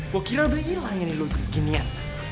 gue kira udah ilangin lo beginian